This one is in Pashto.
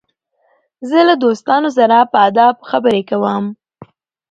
زه له دوستانو سره په ادب خبري کوم.